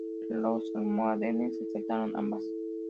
Los almohades aceptaron ambas.